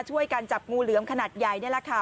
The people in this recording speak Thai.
ช่วยกันจับงูเหลือมขนาดใหญ่นี่แหละค่ะ